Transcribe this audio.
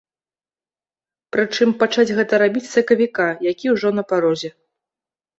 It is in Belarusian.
Прычым, пачаць гэта рабіць з сакавіка, які ўжо на парозе.